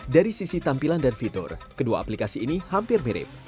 dari sisi tampilan dan fitur kedua aplikasi ini hampir mirip